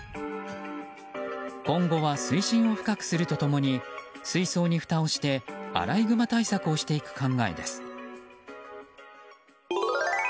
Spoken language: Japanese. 今後は水深を深くすると共に水槽にふたをしてアライグマ対策をしていく考えです。